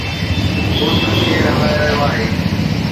ملڪ ڪير هلائي رهيو آهي؟